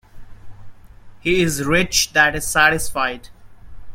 He is rich that is satisfied.